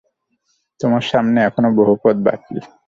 তোমার সামনে এখনও বহু পথ বাকি।